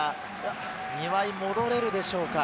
庭井は戻れるでしょうか？